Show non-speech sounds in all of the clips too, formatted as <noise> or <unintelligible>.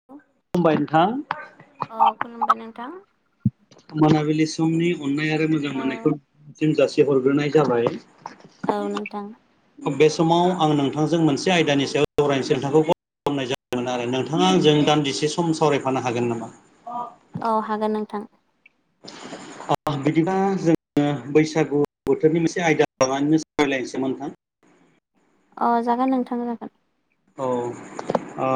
हेल खुलुमबाय नोंथां औ खुलुमबाय नोंथां मोनाबिलि समनि अननाय आरो मोजां मोननायखौ औ सिम जासिहरग्रोनाय जाबाय औ नोंथां बे समाव आं नोंथांजों मोनसे आयदानि सायाव सावरायनोसै नोंथांखौ फन खालामनाय जादोंमोन आरो नोंथाङा आंजों दान्दिसे सम सावरायफानो हागोन नामा औ हागोन नोंथां <unintelligible> बिदिबा जोङो बैसागु बोथोरनि मोनसे आयदा लानानै सावरायलायनोसै नोंथां अ जागोन नोंथां जागोन औ आ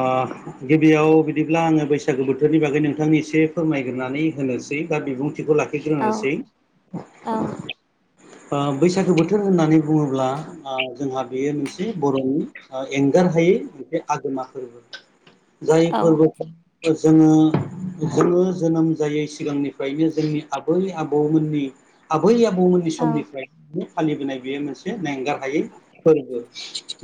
गिबियाव बिदिब्ला आङो बैसागो बोथोरनि बागै नोंथांनि एसे फोरमायग्रोनानै होनोसै बा बिबुंथिखौ लाखि औ औ ओ बैसागो बोथोर होननानै बुङोब्ला ओ जोंहा बेयो मोनसे बर'नि ओ एंगार हायै मोनसे आगोमा फोर्बो <inaudible> जाय औ फोर्बोखौ जोङो जोङो जोनोम जायै सिगांनिफ्रायनो जोंनि आबै आबौमोननि आबै आबौ मोननि स औ समनिफ्रायनो फालिबोनाय बेयो मोनसे नेंगार हायै फोर्बो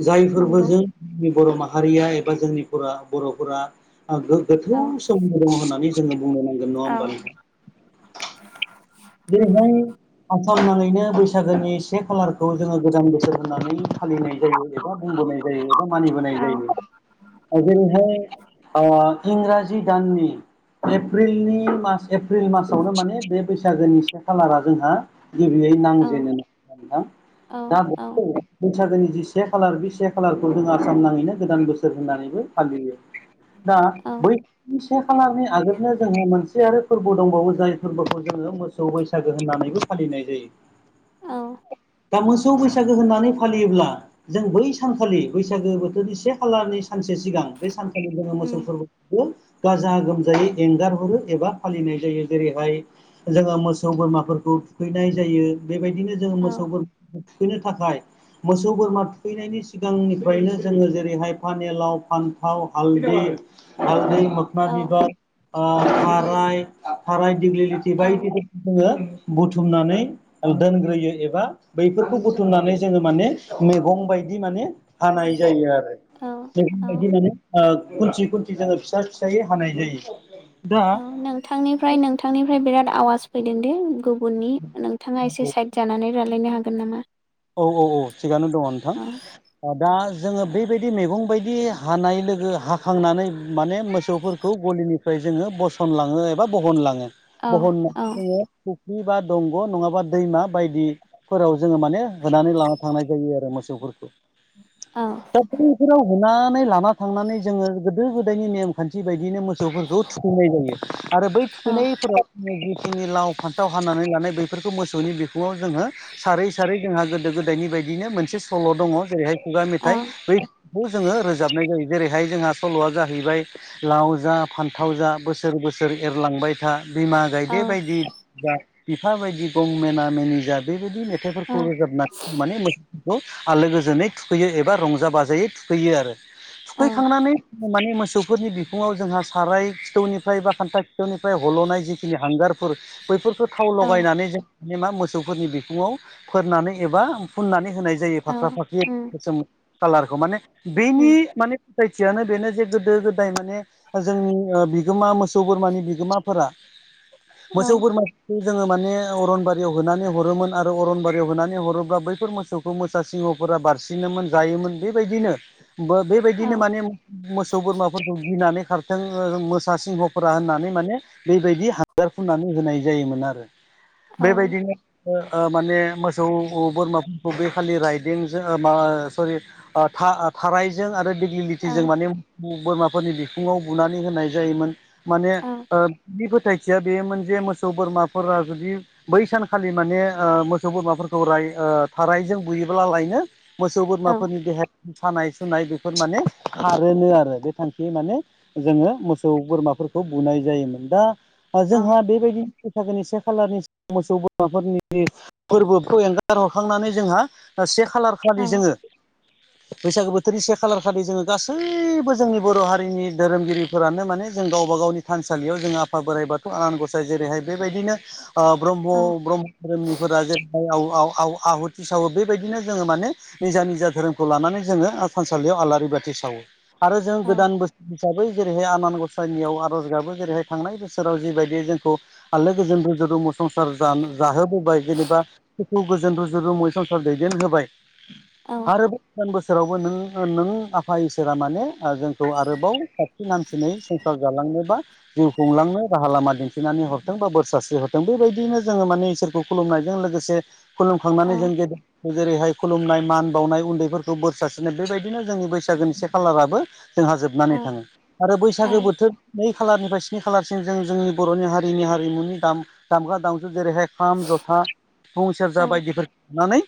जाय नंगौ फोरबोजों जोंनि बर' माहारिया एबा जोंनिफोरा बर'फोरा ओ गोग औ गोथौ सोमोन्दो दङ होननानै जोङो बुंनो नांगोन नङा औ होमबा नोंथां जेरैहाय आसाम नाङैनो बैसागोनि से खालारखौ जोङो गोदान बोसोर होननानै फालिनाय जायो एबा बुंबोनाय जायो एबा मानिबोनाय औ जायो ओजोंहाय ओ इंराजि दान्नि एप्रिलनि मास एप्रिल मासावनो माने बे बैसागोनि से खालारा जोंहा गिबियै औ नांजेनो ना नोंथां दा बे औ बैसागोनि जि से खालार बे से खालारखौ जोंङो आसाम नाङैनो गोदान बोसोर होननानैबो फालियो <unintelligible> दा बै से खालारनि आगोलनो जोंहा मोनसे से आरो फोरबो दंबावो जाय फोरबोखौ जोङो मोसौ बैसागो होननानैबो फालिनाय जायो। औ दा मोसौ बैसागो होननानै फालियोब्ला जों बै सानखालि बैसागो बोथोरनि से खालारनि सानसे सिगां बे सानखालि जोङो मोसौ उम फोरबो खौ गाजा गोमजायै एंगार हरो एबा फालिनाय जायो जेरैहाय जोङो मोसौ बोरमाफोरखौ थुखैनाय जायो बेबायदिनो जोङो औ मोसौ बोर थुखैनो थाखाय मोसौ बोरमा थुखैनायनि सिगांनिफ्रायनो जोङो जेरैहाय फानेलाव, फान्थाव, हालदै हालदै, मोखना औ बिबार ओ माराय थाराय, दिग्लिलिथि औ बायदि जोङो बुथुमनानै ओल दोनग्रोयो एबा बैफोरखौ बुथुमनानै जोङो माने मैगं बायदि माने हानाय जायो आरो औ बेफोरबायदि माने ओ खुन्थि खुन्थि जोङो फिसा फिसायै हानाय जायो। दा थांनिफ्राय नोंथांनिफ्राय बिराद आवाज फैदों दे गुबुननि नोंथाङा एसे साइद जानानै रालायनो हागोन नामा औ औ औ थिगानो दङ नोंथां। औ ओ दा जोङो बेबायदि मैगं बायदि हानाय लोगो हाखांनानै माने मोसौफोरखौ गलिनिफ्राय जोङो बसनलाङो एबा बहनलाङो। औ बहन नानै औ जोंङो फुख्रि बा दंग नङाबा दैमा बायदिफोराव जोङो माने होनानै लाना थांनाय जायो आरो मोसौफोरखौ। औ फख्रिफोराव हुनानै लाना थांनानै जोङो गोदो गोदायनि नेमखान्थि बायदिनो मो सौफोरखौ थुखैनाय जायो आरो बै औ थुखैनायफोरा जिखिनि लाव, फान्थाव हानानै लानाय बेैफोरखौ मोसौनि बिखुआव जोङो सारै सारै जोंहा गोदो गोदायनि बायदिनो मोनसे सल' दङ जेरैहाय खुगा मेथाइ औ बै खौ जोङो रोजाबनाय जायो जेरैहाय जोंहा सल'आ जाहैबाय लाव जा फान्थाव जा बोसोर बोसोर एरलांबाय था बिमा गायदे औ बायदि जा बिफा बायदि गं मेना मेनि जा बेबायदि मेथाइफोर खौ रोजाबना माने मो खौ आलो गोजोनै थुखैयो एबा रंजा बाजायै थुखैयो आरो। थुखैखांनानै माने मोसौ फोरनि बिखुङाव जोंहा साराय खिथौनिफ्राय बा खान्था खिथौनिफ्राय हलनाय जिखिनि हांगारफोर बैफोर खो थाव औ लगायनानै जों मानि मा मोसौफोरनि बिखुङाव फोरनानै एबा फुननानै होनाय जायो औ फाख्रा फाख्रि उम गोसोम कालारखौ माने उम बेनि माने फोथायथियानो बेनो जे गोदो गोदाय माने जोंनि ओ बिगोमा मोसौ बोरमानि बिगोमाफोरा औ मोसौ बोरमाफोरखौ जोङो माने अरनबारियाव होनानै हरोमोन आरो अरनबा बेव होनानै हरोबा बैफोर मोसौखौ मोसा सिंहफोरा बारसिनोमोन जायोमोन बेबायदिनो बो औ बेबायदिनो माने मोसौ बोरमाफोरखौ गिनानै खार थों ओ रोम मोसा सिंहफोरा होननानै माने बेबायदि हांगार फुननानै होनाय जायोमोन आरो। औ बेबायदिनो ओ माने मोसौ बोरमाफोरखौ बे खालि राइदोंजों ओ मा सरि ओ था ओ थारायजों आरो औ देग्लिलिथिजों माने बोरमाफोरनि बिखुङाव बुनानै होनाय जायोमोन। माने औ ओ बि फोथाय थिया बेयोमोन जे मोसौ बोरमाफोरा जुदि बै सानखालि माने ओ मो सौ बोरमाफोरखौ राय ओ थारायजों बुयोब्लालायनो मोसौ बोरमाफोरनि देहा सानाय सुनाय बेफोर माने खारोनोआरो बे थांखियै माने जोङो मोसौ बोरमाफोरखौ बुनाय जायोमोन दा ओ औ जोंहा बेबायदि बैसागोनि से खालारनि मोसौ बोरमाफोरनि जि फोरबोखौ एंगार हरखांनानै जोंहा से खालार औ खालि जोङो <inaudible> बैसागो बोथोरनि से खालार खालि जोङो गासैबो जोंनि बर' हारिनि धोरोमगिरिफोरानो माने जों गावबा गावनि थानसालियाव जोङो आफा बोराइ बाथौ आनान गसाइ जेरैहाय बेबायदिनो ओ ब्रह्म ब्रम्ह धोरोमनि फोरा जे आव-आव-आव-आव आहु थि साहो बेबायदिनो जोङो माने निजा निजा धोरोमखौ लानानै जोङो थानसालियाव आलारि बाथि सावो आरो जों औ गोदान बो हिसाबै जेरैहाय आनान गसाइनियाव आर'ज गाबो जेरैहाय थांनाय बोसोराव जिबायदि जोंखौ आलोगोजोन रुम रुमु संसार जा-जाहोबोबाय जेनबा गोखु गोजोन रुजु रुमै संसार दैदेन होबाय औ आरोबाव गोदान बोसोर सोरावबो नों नों आफा इसोरा माने जोंखौ आरोबाव खाथि हामसिनै संसार जालांनो बा जिउ खुंलांनो राहा लामा दिन्थि थिनानै हरदों बा बोरसारस्रि हरथों बेबायदिनो जोङो माने इसोरखौ खुलुमनायजों लोगोसे खुलुमखांनानै जों गेदेर जेरैहाय खुलुमनाय मान बावनाय उन्दैफोरखौ बोर सानस्रिनाय बेबायदिनो जोंनि बैसागोनि से खालाराबो जोंहा औ जोबनानै थाङो आरो औ बैसागो बोथोर नै खालारनिफ्राय सिनि खालारसिम जों जोंनि बर'नि हारिनि हारिमुनि दाम दामग्रा दामजु जेरैहाय था सिफुं सेरजा बायदिफोर सुनानै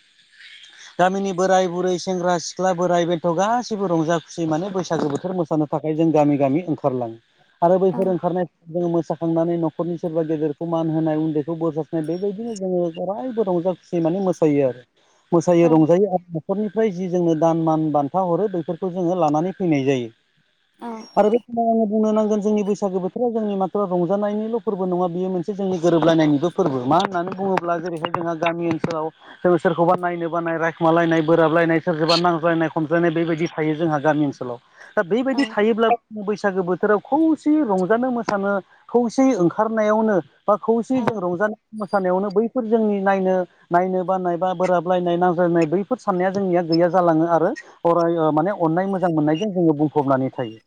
गामिनि बोराय बुरै सेंग्रा सिख्ला बोराइ बेन्थ' गासैबो रंजा खुसि माने बैसागो बोथोर मोसानो थाखाय जों गामि गामि ओंखारलाङो। आरो बैफोर ओंखारनाय जोङो मोसाखांनानै न'खरनि सोरबा गेदेरखौ मान होनाय उन्दैखौ बोरसारस्रिनाय बेबायदि बिनो जोङो जरायबो रंजा खुसि माने मोसायो आरो मोसायो रंजायो आरो न'खरनिफ्राय जि जोंनो दान मान बान्था हरो बफोरखौ जोङो लानानै फैनाय जायो। आरो बे <unintelligible> बुंनो नांगोन जोंनि बैसागो बोथोराव जोंनि माथ्र' रंजानायनिल' फोरबो नङा बियो मोनसे जोंनि गोरोबलायनायनिबो फोरबो मा होननानै बुङोब्ला जेरैहाय जोंहा गामि ओनसोलाव जों सोरखौबा नायनो बानाय रायखुमालायनाय बोराबलायनाय सोरजोंबा नांज्लायनाय खमज्लायनाय बेबायदि थायो जोंहा गामि ओनसोलाव। दा बेबायदि थायोब्लाबो जों बैसागो बोथोराव खौसे रंजानो मोसानो खौसेयै ओंखारनायावनो बा खौसेयै जों रंजानाय मोसानायावनो बैफोर जोंनि नायनो नायनो बानाय बा बोराबलायनाय नांज्लायनाय बैफोर साननाया जोंनिया गैया जालाङो आरो अराय ओ माने अननाय मोजां मोननायजों जोङो बुंफबनानै थायो।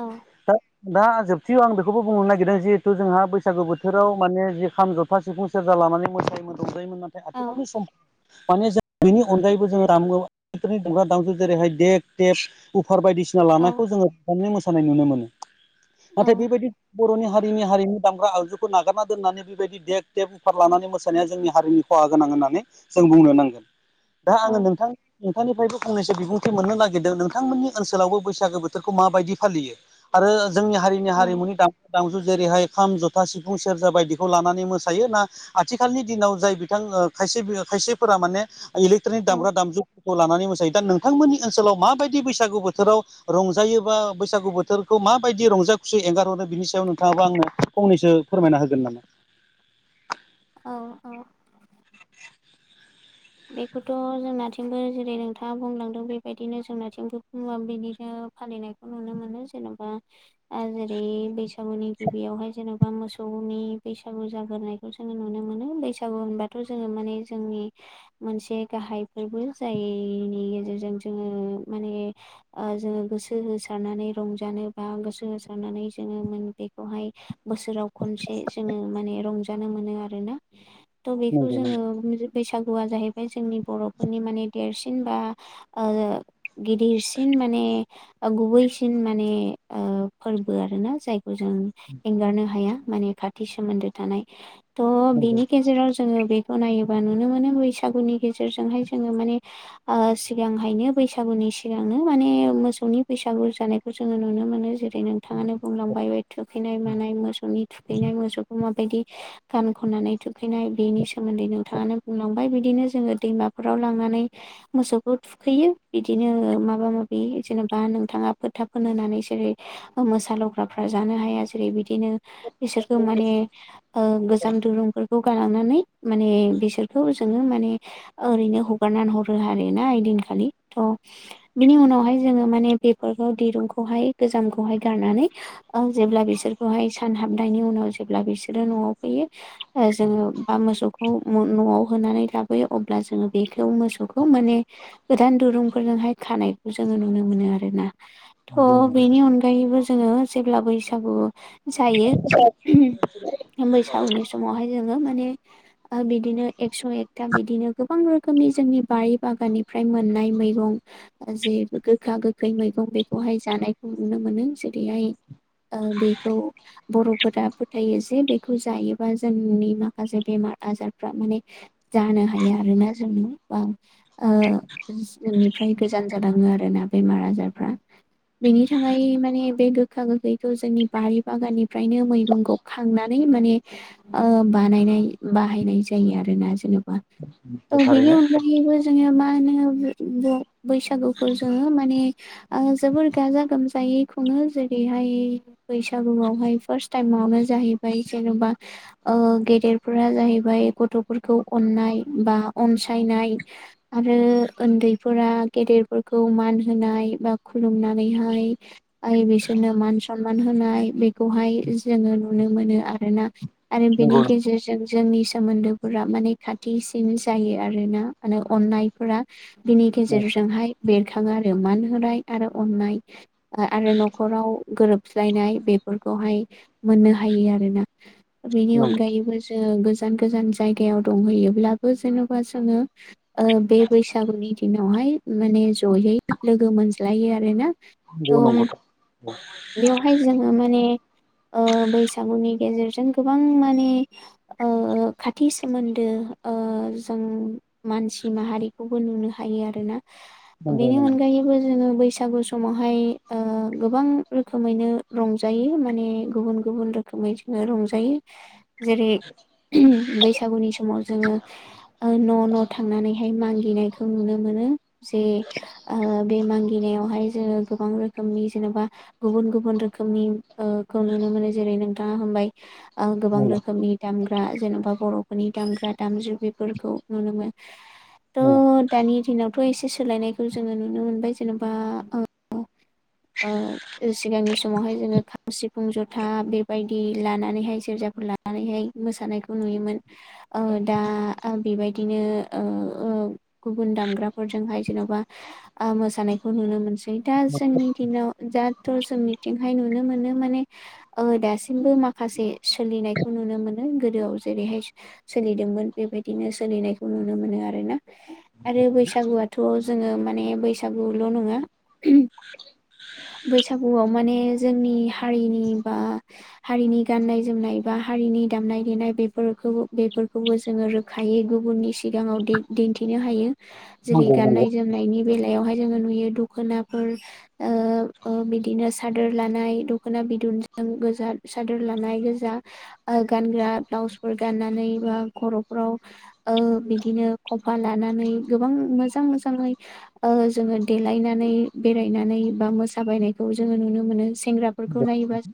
औ दा दा जोबथियाव आं बेखौबो बुंनो नागिरदों जिहेथु जोंहा बैसागु बोथोराव माने जि खाम ज खाम सिफुं सेरजा लानानै मोसायोमोन रंजायोमोन नाथाय आथिखालनि समफोराव माने जों बेनि अनगायैबो जोङो <unintelligible> दामजु जेरैहाय देग देब उफार बायदिसिना लानायखौ जोङो <unintelligible> मोसानाय नुनो मोनो नाथाय बेबायदि बर'नि हारिनि हारिनि दामग्रा आगजुखौ नागारना दोननानै बेबायदि देग देब उफार लानानै मोसानाया जोंनि हारिनि खहा गोनां होननानै जों बुंनो नांगोन दा आङो नोंथां नोंथांनिफ्रायबो फंनैसो बिबुंथि मोननो नागिरदों नोंथांमोननि ओनसोलावबो बैसागो बोथोरखौ माबायदि फालियो? आरो जोंनि हारिनि हारिमुनि दामग्रा दामजु जेरैहाय खाम जथा सिफुं सेरजा बायदिखौ लानानै मोसा थायो ना आथिखालनि दिनाव जाय बिथां खायसे खायसेफोरा माने इलेक्ट्रनिक औ दामग्रा दामजुफोरखौ लानानै मोसायो दा नोंथांमोननि ओनसोलाव माबायदि बैसागु बोथोराव रंजायोबा बैसागु बोथोरखौ माबायदि रंजा खुसि एंगारहरो बिनि सायाव नोंथाङाबो आंनो फंनैसो फोरमायना होगोन नामा? औ औ बेखौथ' जोंनाथिंबो जेरै नोंथाङा बुंलांदों बेबायदिनो जोंनाथिंबो बुङो बिनिनो फालिनाय नुनो मोनो जेन'बा ओ जेरै बैसागुनि गिबियावहाय जेन'। मोसौनि बैसागु जाग्रोनायखौ जोङो नुनो मोनो बैसागु होनबाथ' जोङो माने जोंनि मोनसे गाहाय फोरबो जायनि गेजेरजों जोङो माने ओ जोङो गोसो होसारनानै रंजानो बा गोसो होसारनानै जोङो बेखौहाय बोसोराव खनसे जोङो माने रंजानो नामा? नंगौ बैसागुआ जाहैबाय जोंनि बर'फोरनि माने देरसिन बा ओ गिदिरसिन माने गुबैसिन माने ओ फोरबो आरो ना जायखौ जों एंगारनो हाया माने खाथि सोमोन्दो थानाय। थ' नंगौ बेनि गेजेराव जोङो बेखौ नायोबा नुनो मोनो बैसागुनि गेजेरजोंहाय जोङो माने ओ सिगांहायनो बैसागुनि सिगांनो माने मोसौनि बैसागु जानायखौ जोङो नुनो मोनो जे नोंथाङानो बुंलांबाय बे थुखैनाय मानाय मोसौनि थुखैनाय मोसौखौ माब बायदि गान खननानै थुखैनाय बेनि सोमोन्दै नोंथाङानो बुंलांबाय बि दिनो जोङो दैमाफोराव लांनानै मोसौखौ थु खैयो बिदिनो माबा माबि जेनेबा नोंथाङा फोथा फोनहोनै जेरै मोसा लग्राफ्रा जानो हाया जेरै बिदिनो बिसोरखौ माने ओ गोजाम दुरुंफोरखौ गालांनानै माने बिसोरखौ जोङो माने ओरैनो हगारनानै हरो आरोना ओइदिनखालि थ' बिनि उनावहाय जोङो माने बेफोरखौ दिरुंखौहाय गोजामखौहाय गारनानै ओ जेब्ला बिसोरखौहाय सान हाबनायनि उनाव जेब्ला बिसोरो न'आव फैयो जोङो बा मोसौखौ न'आव होनानै लाबोयो अब्ला जोङो बेखौ मोसौखौ माने गोदान दुरुंफोरजोंहाय खानायखौ जोङो नुनो मोनो आरो ना थ' बेनि अनगायैबो जोङो जेब्ला बैसागु जायो बैसागुनि समावहाय जोङो माने बिदिनो एकस' एकथा बिदिनो गोबां रोखोमनि जोंनि बारि बागाननिफ्राय मोननाय मैगं जे गोखा गोखै मैगं बेखौहाय जानायखौ नुनो मोनो जेरैहाय ओ बेखौ बर'फोरा फोथायो जे बेखौ जायोबा जोंनि माखासे बेमार आजारफ्रा माने जाहोनो हाया आरोना जोङो बा <unintelligible> नोंनिफ्राय गोजान जालाङो आरो ना बेमार आजारफ्रा। बेनि थाखाय माने बे गोखा गोखैखौ जोंनि बारि बागाननिफ्रायनो मैगंखौ खांनानै माने ओ बानायनाय बाहायनाय जायो आरो ना जेनेबा थ' बिनि थारैनो अनगायैबो जोङो मा होनो ब बैसागुखौ जोङो। माने आङो जोबोर गाजा गोमजायै खुङो जेरैहाय बैसागुआवहाय फार्स्ट टाइमावनो जाहैबाय जेन'बा ओ गेदेरफोरा जाहैबाय गथ'फोर खौ अननाय बा अनसायनाय आरो ओन्दैफोरा। गेदेरफोरखौ मान होनाय बा खुलुमनानैहाय। आइ बिसोरनो मान सनमान होनाय बेग खौहाय जोङो नुनो मोनो आरोना आरो बेनि नंगौ गेजेरजों जोंनि सोमोन्दो। फोरा माने खाथिसिन जायो आरो ना माने अननायफोरा बिनि गेजेरजोंहाय। बेरखाङो आरो मान होनाय आरो अननाय आरो न'खराव गोरोबस्लायनाय बेफोरखौहाय मोननो हायो आरोना। बेनि नंगौ अनगायैबो जोङो गोजान गोजान जायगायाव दंहैयोब्लाबो जेन'बा जोङो। ओ बे बैसागुनि दिनावहाय माने जयै लोगो मोनज्लायो आरो ना औ नंगौथ' औ बेवहाय जोङो माने ओ बैसागुनि गेजेरजों गोबां माने ओ खाथि सोमोन्दो ओ जों मानसि माहारिखौबो नुनो हायो आरोना नंगौ बेनि नंगौ अनगायैबो जोङो बैसागु सम समावहाय ओ गोबां रोखोमैनो रंजायो माने गुबुन गुबुन रोखोमै रंजायो जेरै <inaudible> बैसागुनि समाव जोङो ओ न' न' थांनानैहाय मागिनाय नुनो मोनो जे ओ बे मा गिनायावहाय जोङो गोबां रोखोमनि जेनेबा गुबुन गुबुन रोखोमनि ओ खौ नुनो मोनो जेरै नोंथाङा हामबाय ओ गोबां नंगौ रोखोमनि दाम ग्रा जेन'बा बर'फोरनि दामग्रा दामजु बेफोरखौ नुनो मोनो औ। थ' दानि दिनावथ' एसे सोलायनायखौ जोङो नुनो मोनबाय जेनेबा ओ <unintelligible> ओ सिगांनि समावहाय जोङो खाम सिफुं जथा बेबायदि लानानैहाय सेरजाफोर ला लानानैहाय मोसानायखौ नुयोमोन। ओ दा ओ बेबायदिनो ओ ओब गुबुन दामग्राफोरजोंहाय जेनावबा मोसानायखौ नुनो मोनसै दा जोंनि दिनाव जा थस जोंनिथिंहाय नुनो मोनो माने ओ दासिमबो माखासे सोलिनायखौ नुनो मोनो। गोदोआव जेरैहाय सोलिदोंमोन बेबायदिनो सोलिनायखौ नुनो मोनो आरोना। आरो बैसागुआथ' जोङो माने बैसागुल' नङा बैसागुआव माने जोंनि हारिनि बा हारिनि गाननाय जोमनाय बा हारिनि दामनाय देनाय बेफोरखौबो बेफोरखौबो जोङो रोखायै गुबुननि सिगाङाव दि दिन्थिनो हायो। जेरै नंगौ गान्नाय जोमनायनि बेलायावहाय जोङो नुयो दखनाफोर ओ ओ बिदिनो सादोर लानाय दख'ना बिदनजों गोजा सादोर लानाय गोजा गानग्रा ब्लाउसफोर गाननानै बा खर'फोराव ओ बिदिनो खफा लानानै गोबां मोजां मोजाङै ओ जोङो देलायनानै बेरायनानै बा मोसााबायनायखौ जोङो नुनो मोनो सेंग्रा फोरखौ नायोबा